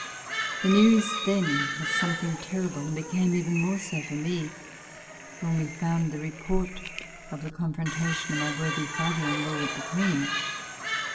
The news then was something terrible, and became even more so for me when we found the report of the confrontation of my worthy father in law with the Queen.